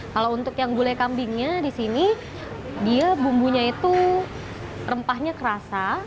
kalau untuk yang gulai kambingnya di sini dia bumbunya itu rempahnya kerasa